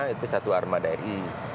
itu satu armada i